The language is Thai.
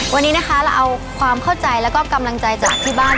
วันนี้นะคะเราเอาความเข้าใจแล้วก็กำลังใจจากที่บ้าน